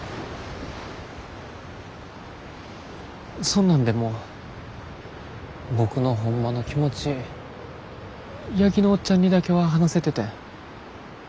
そんなんでも僕のホンマの気持ち八木のおっちゃんにだけは話せててん。